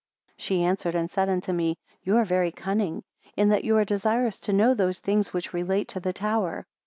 34 She answered and said unto me; You are very cunning, in that you are desirous to know those things which relate to the tower.